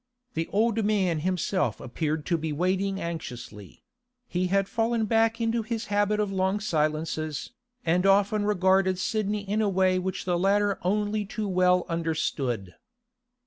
The old man himself appeared to be waiting anxiously; he had fallen back into his habit of long silences, and often regarded Sidney in a way which the latter only too well understood.